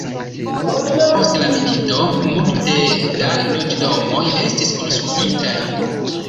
Post la milito multe da loĝdomoj estis konstruitaj.